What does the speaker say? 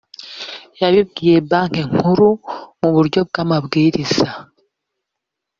yabibwiye banki nkuru mu buryo bw amabwiriza